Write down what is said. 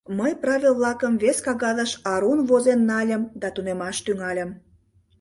Мый правил-влакым вес кагазыш арун возен нальым да тунемаш тӱҥальым.